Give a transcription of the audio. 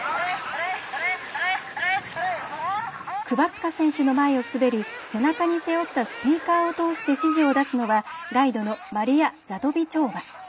クバツカ選手の前を滑り背中に背負ったスピーカーを通して指示を出すのはガイドのマリア・ザトビチョーワ。